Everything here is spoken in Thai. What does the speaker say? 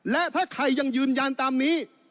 และถ้าใครยังยืนยันตามนี้